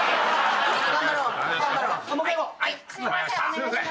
すいません。